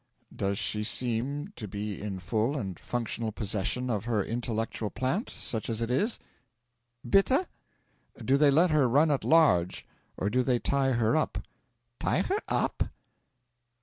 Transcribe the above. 'Does she seem o be in full and functional possession of her intellectual plant, such as it is?' 'Bitte?' 'Do they let her run at large, or do they tie her up?' 'Tie her up?'